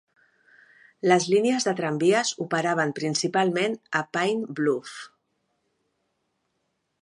Les línies de tramvies operaven principalment a Pine Bluff.